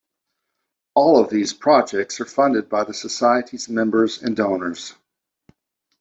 All of these projects are funded by the Society's members and donors.